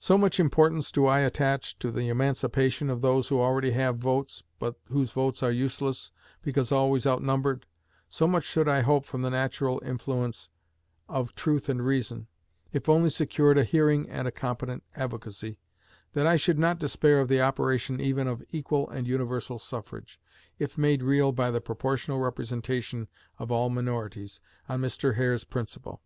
So much importance do I attach to the emancipation of those who already have votes, but whose votes are useless, because always outnumbered so much should I hope from the natural influence of truth and reason, if only secured a hearing and a competent advocacy, that I should not despair of the operation even of equal and universal suffrage, if made real by the proportional representation of all minorities, on Mr. Hare's principle.